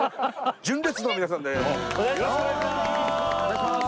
純烈の皆さんです。